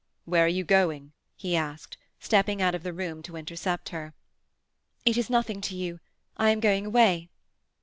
"Where are you going?" he asked, stepping out of the room to intercept her. "It is nothing to you. I am going away."